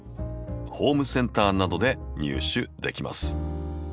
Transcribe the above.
ホームセンターなどで入手できます。